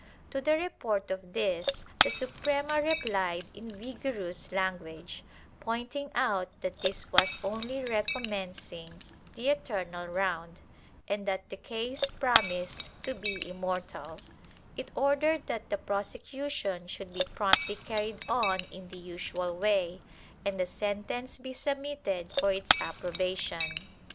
To the report of this the Suprema replied in vigorous language, pointing out that this was only recommencing the eternal round, and that the case promised to be immortal; it ordered that the prosecution should be promptly carried on in the usual way and the sentence be submitted for its approbation.